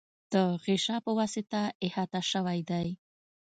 د غشا په واسطه احاطه شوی دی.